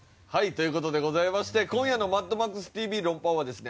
という事でございまして今夜の『マッドマックスＴＶ論破王』はですね